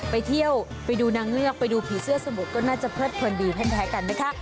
ไปเที่ยวไปดูนางเงือกไปดูผีเสื้อสมุดก็น่าจะเลิดเพลินดีไม่แพ้กันนะคะ